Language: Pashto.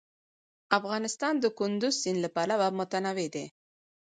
افغانستان د کندز سیند له پلوه متنوع دی.